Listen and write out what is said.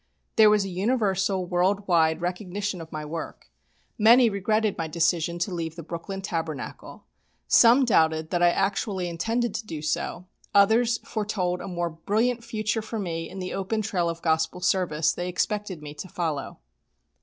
There was a universal, world wide recognition of my work. Many regretted my decision to leave the Brooklyn Tabernacle, some doubted that I actually intended to do so, others foretold a more brilliant future for me in the open trail of Gospel service they expected me to follow.